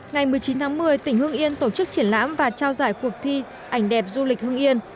ngày một mươi chín tháng một mươi tỉnh hưng yên tổ chức triển lãm và trao giải cuộc thi ảnh đẹp du lịch hưng yên